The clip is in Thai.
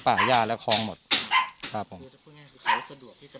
ป่ายหญ้าและคลองหมดครับผมคือจะพูดอย่างเงี้ยคือเขาสะดวกที่จะ